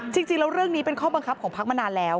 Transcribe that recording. จริงแล้วเรื่องนี้เป็นข้อบังคับของพักมานานแล้ว